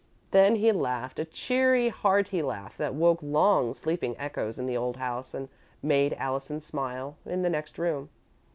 Then he laughed a cheery, hearty laugh that woke long sleeping echoes in the old house and made Allison smile, in the next room.